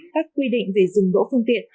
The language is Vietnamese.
các quy định về dừng bỗ phương tiện